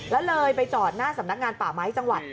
แล้วเลยไปจอดหน้าสำนักงานป่าไม้จังหวัด